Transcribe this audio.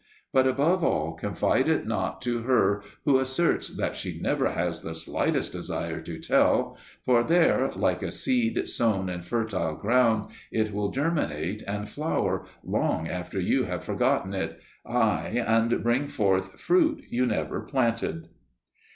But above all confide it not to her who asserts that she never has the slightest desire to tell, for there, like a seed sown in fertile ground, it will germinate and flower long after you have forgotten it, aye, and bring forth fruit you never planted.